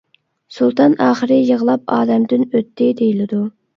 سۇلتان ئاخىرى يىغلاپ ئالەمدىن ئۆتتى، دېيىلىدۇ.